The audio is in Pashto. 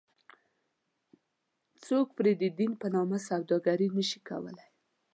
څوک پرې ددین په نامه سوداګري نه شي کولی.